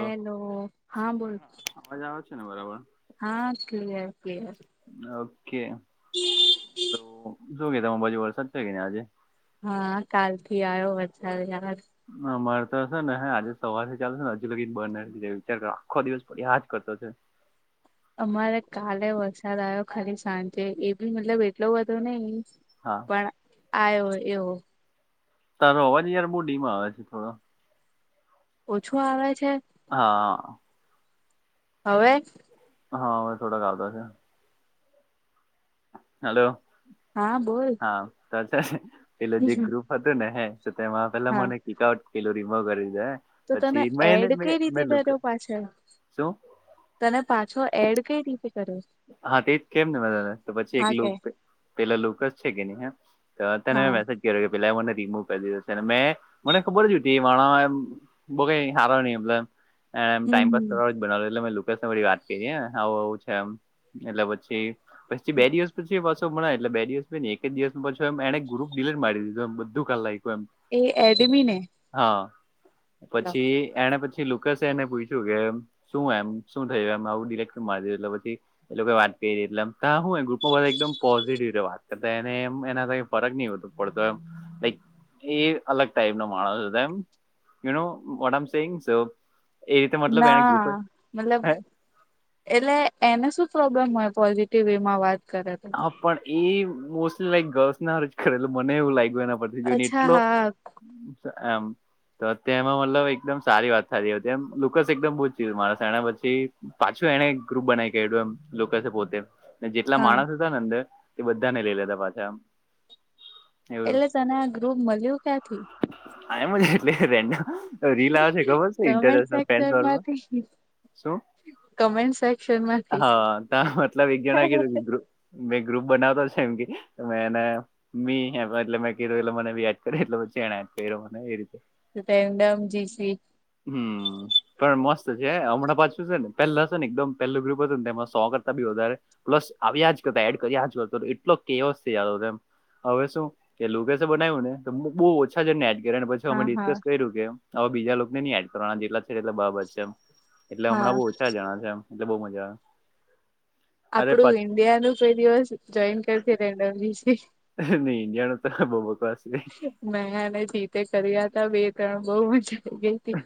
Hello હા બોલ. અવાજ આવે છે ને બરાબર. હા ક્લીયર ક્લીયર. ઓકે તો શું કે તમા બાજુ વરસાદ છે કે આજે. હા કાલથી આવ્યો વરસાદ [unintelligible] હ મળરતો છે ને આજે સવારથી ચાલુશે ને હજુ લગી જ બંધ નથી થયું [unintelligible] આખો દિવસ પડ્યા જ કરતો છે. અમારે કાલે વરસાદ આવ્યો ખાલી સાંજે એ બી મતલબ એટલો બધો નઈ હા. પણ આવ્યો એવો. તારો અવાજ યાર બો ભીમ આવે છે થોડો. ઓછો આવે છે. હા. હવે. હા હવે થોડાક આવતા છે. હલો. હા બોલ. હા તો છે એટલે જે ગ્રુપ હતો ને હે તો તેમાં પેલા હા મને પીકઆઉટ પેલો રીમુવ કરી દે. તો તને એડ કઈ રીતે કર્યો પાછ. શું તને પાછો એડ કઈ રીતે કરે. હા તેજ કેમ ને બધાને તો પછી એક કે પેલા લોક જ છે કે નહી હા. તો તેને મેં હા મેસેજ કર્યો કે પેલા મને રીમૂવ કરી દીધો છે મે મને ખબર જ હુતી એ માણ બો કઈ હારો ની મલે. એમ હમ ટાઇમપાસ હમ કરવા ઉજ બનાવે લુ એટલે મે [unintelligible] વાત કરી આવું આવું છે એમ એટલે પછી પછી બે દિવસ પછી એ એટલે બે દિવસને એક જ દિવસમાં પાછે એમ એણે ગ્રુપ ડીલીટ મારી દીધો એ બધું કાર્ડ લઈખો એમ. એ એડમી ને. હા પછી એને પછી લુકસે એને પૂછ્યું કે શું એમ શું થયું એમ આવું ડીલીટ [unintelligible] મારી એટલે પછી એ લોકો વાત કરી એટલે આમ તા હું એ ગ્રુપમાં એકદમ પોઝિટિવ રીતે વાત કરતા એને એમ એના [unintelligible] ફરક નહીં હોતો પડતો એમ લાઈક એ અલગ ટાઈપ નો માણસ હતો એમ. [unintelligible] એ રીતે મતલબ એને ના ગ્રુપે મતલબ એટલે એને શું પ્રોબ્લેમ હોય પોઝિટિવ વે માં વાત કરે તો. હા પણ એ મોસ્ટલી લાઈક ગર્લ્સ ના હારુ જ કરે મને એવું લાગ્યું એના પરથી જોઈને અચ્છા એટલો હા આમ. તો તેમાં મતલબ એકદમ સારી વાત થતી હતી એમ લુકસ એકદમ બૂ જ [unintelligible] માણસ એને પછી પાછું એને ગ્રુપ બનાવી કર્યું એમ [unintelligible] પોતે. ને જેટલા હા માણસ હતા ને અંદર એ બધાને લઈ લેતા પાછા આમ. એટલે તને આ ગ્રુપ મળ્યું ક્યાંથી. આઈ એમ જ એટલે રેન્ડમ રીલ આવે છે ખબર છે કમેન્ટ ઇન્ટરશ સેક્શન [unintelligible] વાળું માં. માંથી શું? કમેન્ટ સેક્શન માંથી હા ત મતલબ એક જણાને કીધું કે ધ્રુવ મેં ગ્રુપ બનાવતો છે એમ કે તો મેને મી એટલે મેં ક્યું એટલે મને બી યાદ કર્યો એટલે પછી તેણે મને એ રીતે. તો તેમ ડમ જીસી હમ પણ મસ્ત છે હમણાં પાછું છે ને પહેલા છે ને એકદમ પહેલું ગ્રુપ હતું ને તેમાં સો કરતા બી વધારે પ્લસ આવ્યા જ કરતા એડ કર્યા જ કર એટલો કેવ છે એમ. હવે શું કેલું કે છે બનાવ્યું ને તો બહુ ઓછા છે ને એડ કરને પછી અમે હા હા ડિસ્કસ કર્યું કે હવે બીજા લોકોને ની એડ જેટલા છે એટલે બરાબર છે એમ એટલે હા હમણાં બહ ઓછા જણા છે એટલે બહ મજા આવે. અરે આપડું પાછ ઇન્ડિયાનું કોઈ દિવસ જોઈન કરતી રેન્ડમ બીસી નહી ઇન્ડિયાનો તો બહુ બકવાસ છે મેને જીતે કર્યા ત બે ત્રણ બઉ મજા આઈ ગઈતી.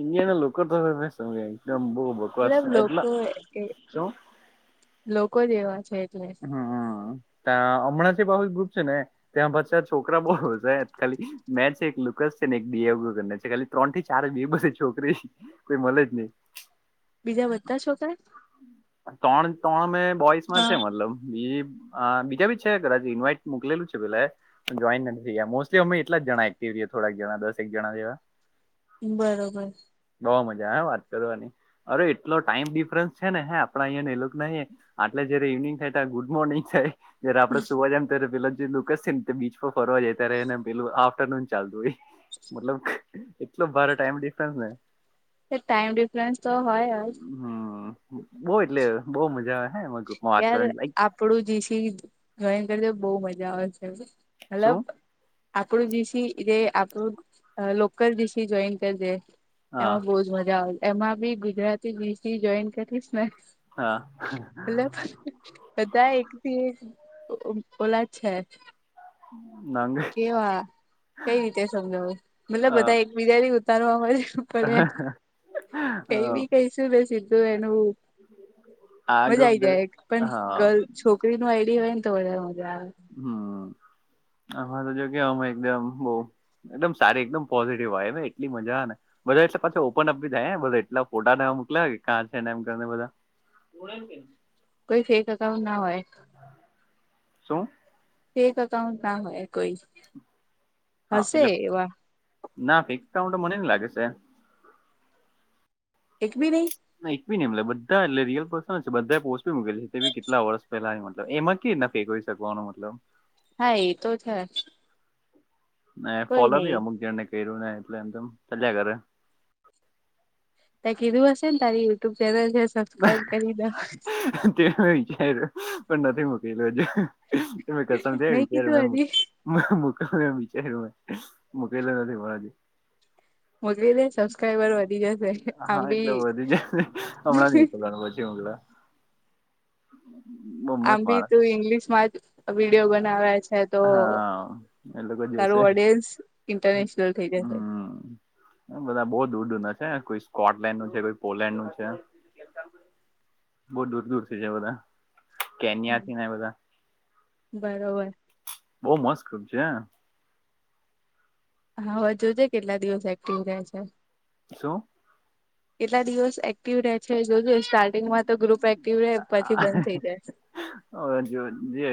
ઇન્ડિયાના લોકો તો [inaudible] એકદમ બહુ બકવાસ મતલબ એટલા લોકો એ શું લોકો જે એવા છે એટલે હમમ તા અણાજી બાહુલ ગ્રુપ છે ને ત્યાં પછા છોકરા બહુ ખાલી મે છે એક લુકસ છે ને એકને છે ખાલી. ત્રણ થી ચાર બે બધ છોકરી કોઈ મળે જ નહી. બીજા બધા છોકરા? ત્રણ ત્રણ મેં બોઈસમાં છે હા મતલબ બી બીજા બી છે કદાચ ઇન્વાઈટ મોકલેલું છે પેલાએ. જોઈન નથી થયા મોસ્ટલી અમે એટલા જણા એક્ટિવએ થોડાક જણા દસક જણા જેવા. બરોબર. બઉ મજા હહ વાત કરવાની. અરે એટલો ટાઈમ ડિફરન્સ. છે ને હે આપડા અહંને એ લોકો નહી આટલે જય્યારે ઇવનિંગ થાય ત ગુડ મોર્નિંગ થાય. તે આપણે સુવા જાય ને ત્યારે લક્ઝરી લુકે બીચ ફરવા જતા રહે ને પેલ આફ્ટરનૂન ચાલતું હોય. મતલબ એટલો ભારે ટાઈમ ડિફરન્સ ને. તો ટાઈમ ડિફરન્સ તો હોય જ. હમ બઉ એટલે બહુ મજા આવે. હે એમાં ગ્રુપમાં વાત યાર કરવાની લાઈક આપણું જીસી જોઈંગ કરી બહુ મજા આવે છે. મતલબ શું આપણું જીસી જે આપણું લોકલ જીસી જોઈન કરજે. હા એમાં બહુ જ મજા આવે. એમાં બી ગુજરાતી ગીત. હા મતલબ બધા એકથી એક ઓલા છે. નાંગ કેવા, કઈ રીતે સમજાવું, મતલબ અ બધા એકબીજાથી ઉતારવા હોય છે. પણ અ કઈ બી કઈશું ને સીધું એનું આ મજા ગ્રુપ આઈ જરાક જાય એક પણ હા છોકરી ન આઈડી હોય ને તો વધારે મજા આવે. હમ આમાં તો જો કેમાં એકદમ બઉ. એકદમ સારી એકદમ પોઝિટિવ આવે એટલી મજા ને. બધા એટલે પાછ ઓપન અપ બી થાય બધ એટલા ફોટાવા મોક્યા ક છેને એમને બધા. [inaudible] કોઈ ફેક અકાઉન્ટ ના હોય. શું? ફેક અકાઉંન્ટ ના હોય કોઈ. હા હશે એટલે એવા ના ફેંક કાઉન્ટ તો મને ની લાગે સે. એક બી નહી? ના એક બી ન મતલબ બધા એટલે રિયલ પર્સન બધા પોસ્ટી બી મૂકેલી છે કેટલા વર્ષ પેલા મતબ એમાં કી ના ઠીકઈ શકોનો મતલબ હા એ તો છે. કોઈ ફોલો નહી બી અમુક જણને કર્યું ને એટલે એમમ ચલ્યા ઘરે ત્યાં કીધું હશે ને તારી યુટ્યુબ ચેનલ છે સબસ્ક્રાઈબ કરી દો. તે મેં વિચાર્યું પણ નથી મૂકેલું હજ કસમ થ મેં કીધું વિચાર્યું હજી મે મકલવા વિચાર્યું મકેલો નથી મળજે મોકલી દે સબસ્ક્રાઈબર વધી જશે આમ હા એટલે બી વધી જાય. હમણાં પલાચીું પલા બહુ મસ્ત આમ બી માણસ તો તું ઈગ્લિશ મા વિડીયો બનાવે છે હા એ લોકો જોવશે તારું ઓડિયન્સ ઇન્ટરનેશનલ થઈ જશે હમ બધા બઉુ દૂર દૂરના છે કોઈ સ્કોટલેન્ડ નું છે કોઈ પોલેન્ડ નું છે. બહ દૂર દૂર થી જ બધા કેનિયાથી ના બધા બરોબર. બહુ મસ્ત છે. હા હવે જોજે કેટલા દિવસ એક્ટિવ રહે છે. શું. કેટલા દિવસ એક્ટિવ રહે છે જોજુ સ્ટાર્ટિંગમાં તો ગ્રુપ એક્ટિવ રહેે પછી બંધ થઇ જાય. હ જે આપડ મતલબ હે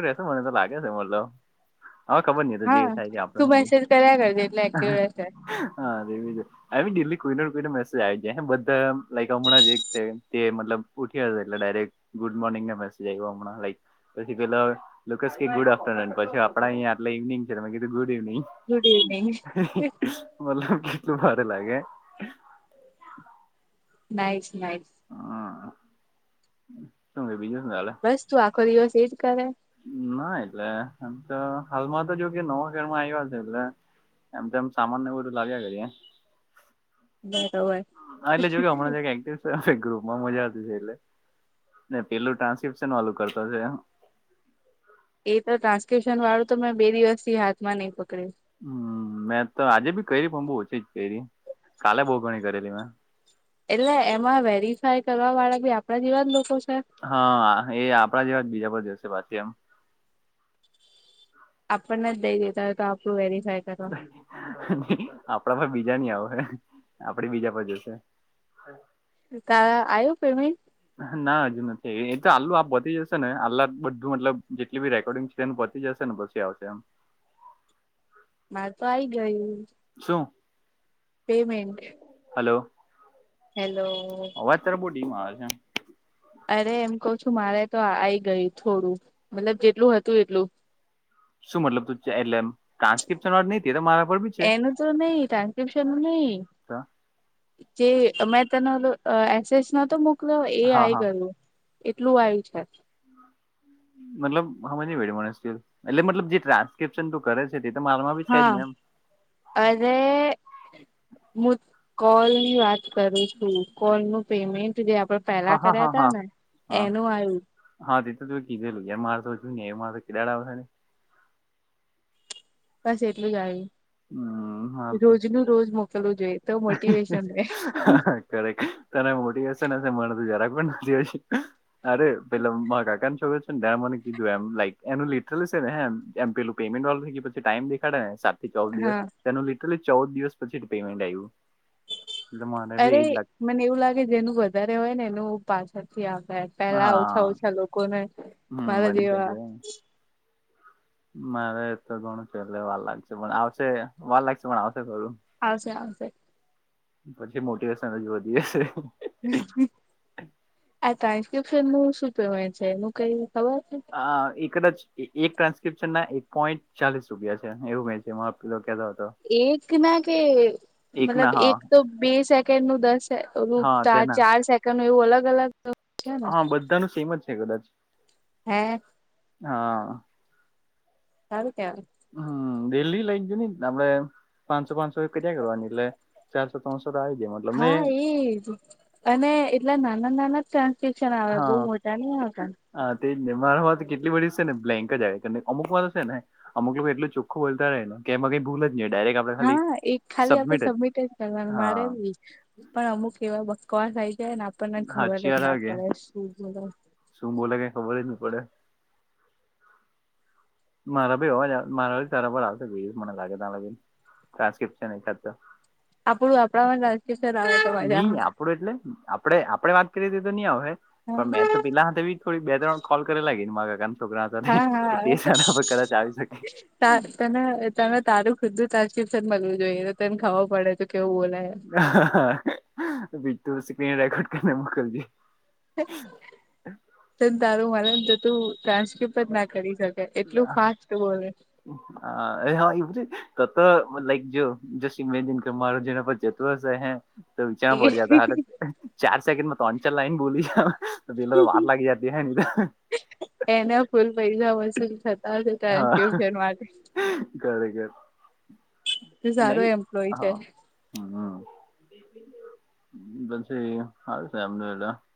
રહેશે મને તો લાગે છે મતલબ હા ખબર નહ તો જે હા થાય છે આપ તું મેસેજ કર્યા કરજે એટલે એક્ટિવ રહેશે હાવી દિલ્લી કોઈનેને કોઈને મેસેજ આવી જાય બધા લક હમણાં જે એક મતલ ઉઠ એટ ડાયરેક્ટ ગુડ મોર્નિંગ મેસેજ આવ્યો હમણાં લક પછી પેલા લુકસ કે ગુડ આફ્ટરનુન પછી આપડા અહીયા આટલે ઇવનિંગ છે કીધું ગુડ ઇવનિંગ ગુડ ઇવનિંગ મલ કેટલું ભારે લાગે. નાટ નાટ ત બીજનેસંગાે બસ તું આખો દિવસ એજ કરે ના એટલેમ તો હાલમાં તો જો કે નવા ખેરમાં આવ્યા છે એટલે એમ તો એમ સામાન ને બધું લાગ્યા કર. બરોબર. હ એટલે જોયયો હમણાંયા એક્ટિવ હવે ગ્રુપમાં મજાતી છે એટલે પેલું ટ્રાન્સ્કિપ્શન વાલું કરતો છે. એ તો ટ્રાન્સકુશન વાળું તો મેં બે દિવસથી હાથમાં નહી પકડ્યું. હમ મેં તો આજે બી કરી પણ બુ ઓછી જ કરી કાલે બહુ ઘણી કરેલી મેં એટલે એમાં વેરીફાય કરવા વાળા બી આપણા જેવા લોકો છે. હા એ આપડા જેવા જ બીજા પણ દિવસે પાછી એમ આપણને જ દઈ દેતા હોય તો આપણું વેરીફાય કરવા. આપણા પર બીજા નની આવ હ આપડે બીજા પર જશે તારે આવ્યો પેરમેન્ટ. ના હજુ નથી એ તો આલ્લું આપ વધી જશે ને આલ્લા બધું મતલબ જેટલી બી રેકોર્ડિંગ છે. તેને પચી જશે ને પછી આવશે એમ મારે તો આઈ ગયું. શું. પેમેન્ટ. Hello hello. અવાજ ત્યારે બહટીમાં આવે છે. અરે એમ કહ છું મારે તો આઈ ગઈ થોડું મતલબ જેટલું હતું એટલું શું મતલબ ત એટલે કન્સ્કપ્શન વાર નહ તો મારા પર ભી છે. એનું તો નહી તણ વિશન નઈ. જે મેં તેનો એસેસ નતો એ હા આવી હા ગયું એટલું આવયુ છે મતલબ હમજ ની પયડી મને એટલે મતલબ જે ટ્રાન્સક્રિપ્શન તું કરે છે તે તો મારમાં બી છે જ હા ને એમ અરે મુું કોલ ની વાત કરું છું કોલ નું પેમેન્ટ જે આપણે હા પેલા હા કર્યા હા ત હા ને હા એનું આવ્યું હા તે તો તું કીધેું એ માર તો ને એ માર તો કેાડ આવશે ને બસ એટલું જ હમ માર આવ્યું તો રોજ નુ રોજ મોકલવું જોઈએ એ તો મોટિવેશન રે કરરે તને મોટીવેશન હશે મનતો તજરાય પણ નથી હશે અરે પેલો મરા કાકા છોકરો છે મને કીધું એમ લાઈક એનું લિટરેલી છે ને એમ પેલું પેમેન્ટ વાળું થ પછી ટાઈમ દેખાડેને ચૌદ દિવસ તેનું લિટરલી ચૌદ દિવસ પછી પેમેન્ટ આવ્યું એટલે મને બી અરે એજ લાગ મને એવું લાગે જેનું વધારે હોય ને એનું પાછળથી આવતા હશે પેલા હા ઓછા ઓછા લોકો ને હમ મારા બની જેવા શકે મારે તો ઘણું છે પેલે વાર લાગશે પણ આવશે વાર લાગશે પણ આવશે ખરું આવશે આવશે પછી મોટી વેશન જ વધી જશે આ ટ્રાન્સ્ક્રિપ્શન નું શું કેહેવાય છે એનુ કઈ ખબર છે એક કદાચ એક ટ્રાન્સ્ક્રિપ્શન ના એક પોઈન્ટ ચાલીસ રૂપિયા છે એવું મેં છે આપી કેતા એક ના કે ના મતલબ હા એક તો બે સેકન્ડ નું દસ હા રૂપતા તેના ચાર સેકન્ડ નું એવું અલગ અલગ છે ને હા બધાનું સેમ જ છે કદાચ હે હા સારું કેવાય હમ્મ ડેલી લાઈટ જોય ને આપડે પાંચસો પાંચસો રૂપિયા કરિયા કરવાની એટલે ચારસો ત્રોડશો આવી જાહે હા એજ અને એટલા નાના નાના ત શિક્શન આવે બહુ હા મોટા નહી આવતા હા તેજ ને મારામા તો કેટલીબધી છે ને બ્લેન્ક જ આવી અમુક મા તો હ છે ને અમુ લોકો એટલો ચખ્ખો બોતા હોયને એમાં કઈ ભૂલ જ નહી ડાયરેક હા એક ખાલી આપડે સબમિટ જ કરવાનું મારે હા પણ અમુક એવા બકવાસ આઈ જાય ને આપણને ખબર હાચી જ વાર ના આવે કે પડે શું બોલે શું બોલે કઈ ખબર જ નહી પડે મારા ભી હોવા મારા તારા પરર આવ તો ગય મને લાગે ત ન ટ્રાન્સક્રિપ્શન એખાદ તો આપડું આપણામાં રાજ નહી [unintelligible] આપડું એટલે આપડે આપડે વાત કરીએ હતી તે તો નહીં આવે પણ આવે મે તો પિલા હાથે ભી કોઈ બે ત્રણ કોલ કરેલા કી મારા [unintelligible] હા [unintelligible] તે શાળા પર કદાચ આવી શકે ત તને તને તારું ખુદું તરકીફ છેને મળવું જોઈએ તો તને ખબર પડે તો કેવું બોલાય હ બીજુ સ્ક્રીન રેકોર્ડ કરીને મોકલજે તન તારું માડે તો તુ જ ના કરી શકાય એટલું ફાસ્ટ બોલે હા હા એી ત લાઈક જો જ મેન મારું જે પછ તો હે તો વિચારણા એ પડી જતા હા ચાર સેકન્ડ માં ત્રણ ચાર લાઈન બોલી [unintelligible] વાટ લાગી જતી હ ને એના ફૂલ પૈસા વસૂલ થતા ટ્યુશન માટે તારે ઘેર તો સારો નહી એમ્પ્લોય છે હા હમ્મ પછી હ છે એમને [unintelligible]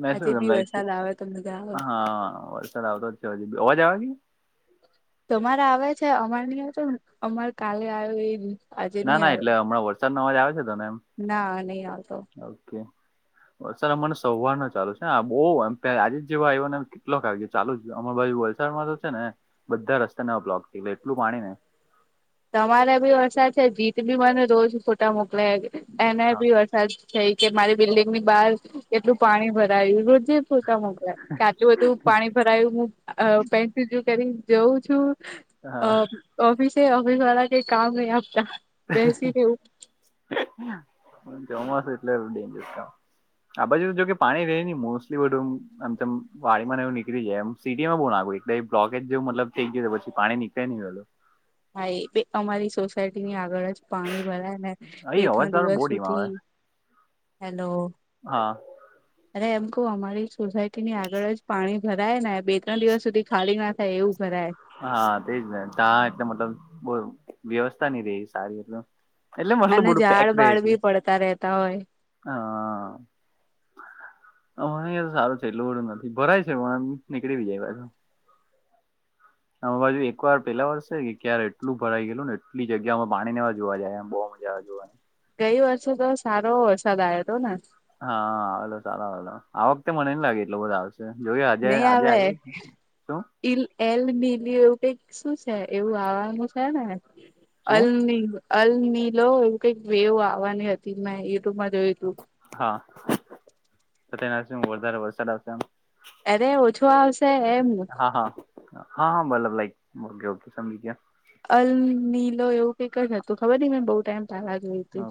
મે આજે સેને બી મેયકે. વરસાદ આવે તો મજા આવે હા વલસાદ આવતો જ છે હજી. અવાજ આવે કે? તમારે આવે છે, અમાર ની આવતો અમાર કાલે આવ એ આજે ના નહી ના એટલે આવ્યો હમણાં વરસાદ નો અવાજ આવે છે, તને એમ. ના નઈ આવતો. ઓકે. વરસાદ અમાને સવાર નો ચાલુ છે, આ બઉ આજે જ જેવા આયવોને કેટલોક આવ ચાલુ જ અમાય બાજુ વલસાડમાં તો છે ને, બધા રસ્તા ને એવું બ્લોક થઈ ગેલા એલું પાણી ને. તમારે બી વરસાદ છે, જીત બી મને રોજ ફોટા મોકલાય એને હા બી વરસાદ કેય કે મારી બિલ્લીંગ ની બાર કેટલું પાણી ભરાયું, રોજે પૂ ત મુકુ એમ. કાચું બધું પાણી ભરાયું, હું અ પેન્સિલયુ કરી જોઉં છું. અ હા. ઓફિસે ઓફિસ વાળા કય કામ નઈ આપતા. બેસીને એવું હ પન ચોમાસું એટલે ડેન્જર કામ. આ બાજુ જો કે પાણી રેય ની, મોસ્લી બધું મ એમ તેમ વાડી માં એવું નીકળી જાય એમ. સિટી માં બો નાકુ ઓય બે બ્લોકેજ જેમ મતલબ થઈ ગીયો, તો પછી પાણી નીકળે ની વેલુ. હા એ બે અમારી સોસાયટી ની આગળ જ પાણી ભરા ને અહી અવાજ બે-ત્રણ તારો દિવસ બહુ ધીમો આવે સુધી... હેલો. હા અરે! એમ કઉ અમારી સોસાયટી ની આગળ જ પાણી ભરાય ને, બે-ત્રણ દિવસ સુધી ખાલી ના થાય એવું ભરાય. હા, તેજ ને તાં એટલે મટલબ કોઈ વ્યવસ્થા ની રે સારી એકદમ. એટલે મતલ અને બધું પેક ઝાડ રે બાળ એટલે. બી પડતા રહેતા હોય હાઅ અમાયે સારું છે એટલું બધુ નથી ભરાય છે, પણ નીકળી બી જાય પાછુ. અમાય બાજુ એક વાર પેલા વરસે કે ક્યારે એટલું ભરાઈ ગેલુ ને એટલી જગ્યા માં પાણી નેવા જોવા જાય એમ, બઉ મજા આવે જોવાની. ગઈ વર્ષે તો સારો વરસાદ આયો તો ને. હા આવેલો સારા આવેલો આ વખતે મને ની લાગે એલો બધો આવશે. જોયે આજે આજે આયવો જ ઇલ એલ બિલી એવું કઈક શું છે? એવું આવાનું છે ને. શું અલની અલનીલો એવું કઈક વેવ આવવાની હતી, મેં યુટ્યુબમાં જોયું તું. હા, તો તેનાથી હુ વધારે વરસાદ આવશે એમ. અરે! ઓછો આવશે એમ. હા હા હા હા મલ્લબ લાઈક મ્મ ઓકે ઓકે સમજી ગીયો. અલ નીલો એવું કંઈક જ હતું, ખબર નઈ મે બઉ ટાઈમ પેલા જોઈ તું. ગયા